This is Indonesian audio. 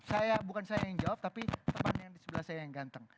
saya bukan saya yang jawab tapi teman yang di sebelah saya yang ganteng